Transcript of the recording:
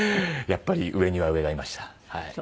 やっぱり上には上がいました。